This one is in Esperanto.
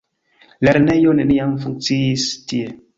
Lernejo neniam funkciis tie.